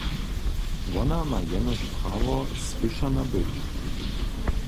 Wona ma jenož prawo, słyšana być.